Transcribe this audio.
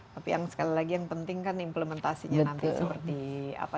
tapi yang sekali lagi yang penting kan implementasinya nanti seperti apa